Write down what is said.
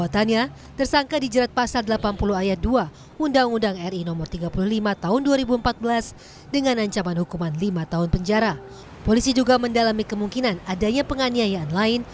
tidak diberi makan mungkin hanya satu kali